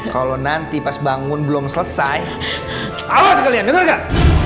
kalau nanti pas bangun belum selesai awas kalian denger gak